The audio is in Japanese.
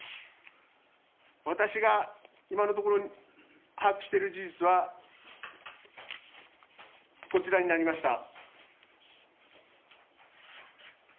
私が今のところ把握している事実は、こちらになりました。